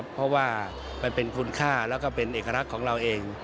เพราะว่ามันเป็นคุณค่าแล้วก็เป็นเอกลักษณ์ของเราเอง